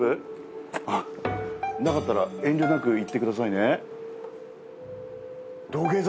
なかったら遠慮なく言ってくださいね。